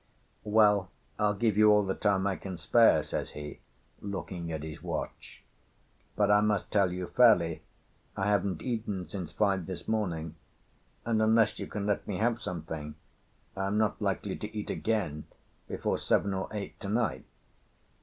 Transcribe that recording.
"Well, I'll give you all the time I can spare," says he, looking at his watch. "But I must tell you fairly, I haven't eaten since five this morning, and, unless you can let me have something I am not likely to eat again before seven or eight to night."